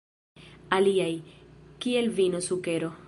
Aliaj, kiel vino, sukero.